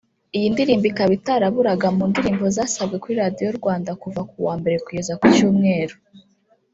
Iyi ndirimbo ikaba itaraburaga mu ndirimbo zasabwe kuri radio Rwanda kuva kuwa mbere kugeza kucyumweru